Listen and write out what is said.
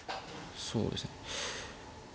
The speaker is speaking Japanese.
そうですね。